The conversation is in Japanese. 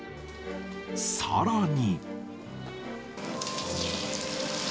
さらに。